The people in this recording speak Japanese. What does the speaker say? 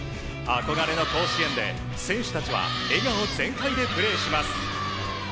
憧れの甲子園で選手たちは笑顔全開でプレーします。